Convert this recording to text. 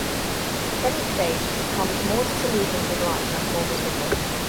Then each day she becomes more disillusioned with life and more miserable.